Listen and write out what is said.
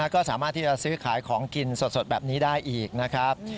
ก็สามารถที่จะซื้อขายของกินสดแบบนี้ได้อีกนะครับ